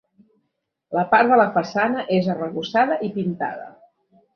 La part de la façana és arrebossada i pintada.